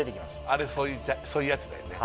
あれそういうやつだよね